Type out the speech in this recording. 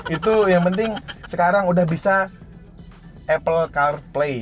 itu yang penting sekarang udah bisa apple car play